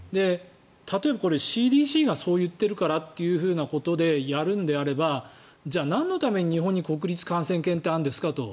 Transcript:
例えば、ＣＤＣがそう言っているからっていうことでやるのであればじゃあ、なんのために国立感染研ってあるんですかと。